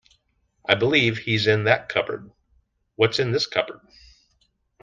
I believe he's in that cupboard. What's in this cupboard?